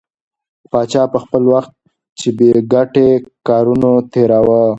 پاچا به خپل وخت په بې ګټې کارونو تېراوه.